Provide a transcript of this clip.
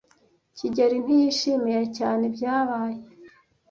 kigeli ntiyishimiye cyane ibyabaye.